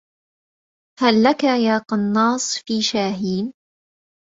هل لك يا قناص في شاهين